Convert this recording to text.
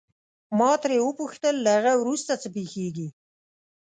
ما ترې وپوښتل له هغه وروسته څه پېښیږي.